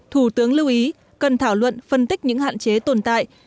thủ tướng lưu ý cần thảo luận phân tích những hạn chế tồn tại